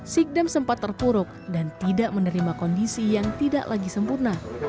sikdam sempat terpuruk dan tidak menerima kondisi yang tidak lagi sempurna